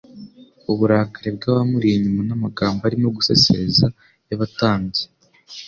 Uburakari bw'abamuri inyuma n'amagambo arimo gusesereza y'abatambyi